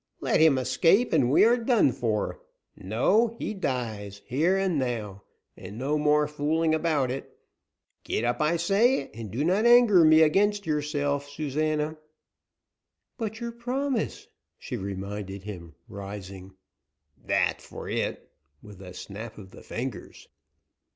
Let him escape, and we are done for. No, he dies, here and now, and no more fooling about it. Get up, I say, and do not anger me against yourself, Susana!" "But your promise," she reminded, rising. "That for it," with a snap of the fingers.